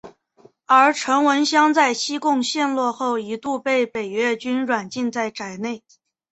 而陈文香在西贡陷落后一度被北越军软禁在宅内。